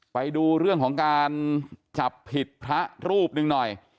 ไปดูเรื่องของการจับผิดพระรูปหนึ่งหน่อย